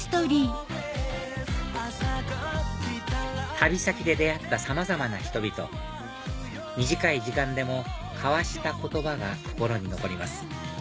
旅先で出会ったさまざまな人々短い時間でも交わした言葉が心に残ります